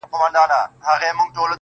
• بيا د تورو سترګو و بلا ته مخامخ يمه_